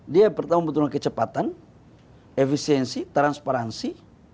dia pertama betul kecepatan efisiensi transparansi